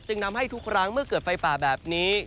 นำให้ทุกครั้งเมื่อเกิดไฟป่าแบบนี้